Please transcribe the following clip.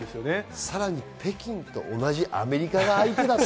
さらに北京と同じアメリカが相手だったと。